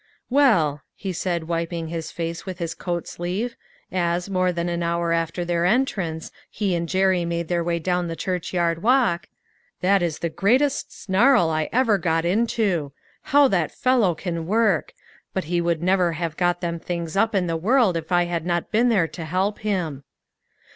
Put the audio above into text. "Well," he said, wiping his face with his 234 LITTLE FISHERS: AND THEIR NETS. coat sleeve, as, more than an hour after their entrance, he and Jerry made their way down the churchyard walk, "that is the greatest snarl I ever got into. How that fellow can work ! But he would never have got them things up in the world, if I had not been there to help him."